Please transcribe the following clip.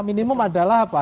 minimum adalah apa